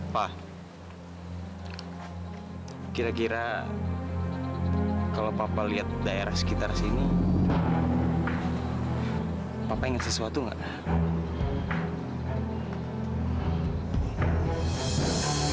pak kira kira kalau papa lihat daerah sekitar sini papa ingat sesuatu nggak